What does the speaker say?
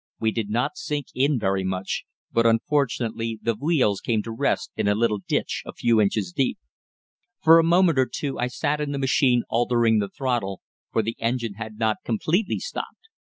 We did not sink in very much, but unfortunately the wheels came to rest in a little ditch a few inches deep. For a moment or two I sat in the machine altering the throttle, for the engine had not completely stopped.